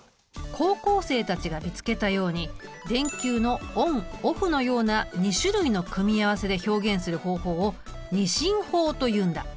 高校生たちが見つけたように電球のＯＮＯＦＦのような２種類の組み合わせで表現する方法を２進法というんだ。